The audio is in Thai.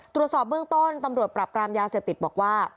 ตรวจสอบเบื้องต้นตำรวจปรับปรามยาเสพติดบอกว่า